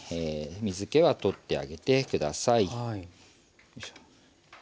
水けは取ってあげて下さい。